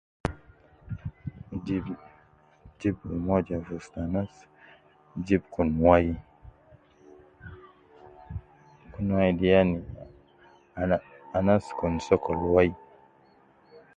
Jib ,jib umoja fi ustu anas, jib kun wai, kun wai de yani ana anas kun sokol wai